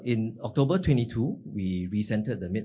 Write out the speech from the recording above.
in oktober dua puluh dua kami menggantikan